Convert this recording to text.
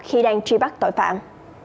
khi đang truy bắt tội phạm